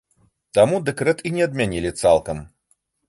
Таму дэкрэт і не адмянілі цалкам.